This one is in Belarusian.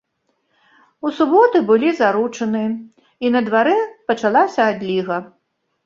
У суботу былі заручыны, і на дварэ пачалася адліга.